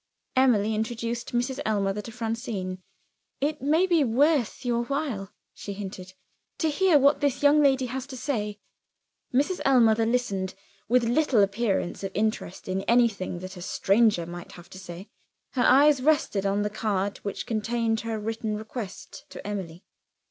Emily introduced Mrs. Ellmother to Francine. "It may be worth your while," she hinted, "to hear what this young lady has to say." Mrs. Ellmother listened, with little appearance of interest in anything that a stranger might have to say: her eyes rested on the card which contained her written request to Emily.